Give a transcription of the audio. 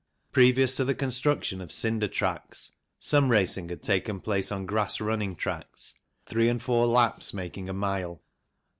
Previous to the construction of cinder tracks some racing had taken place on grass running tracks, three and four laps making a mile.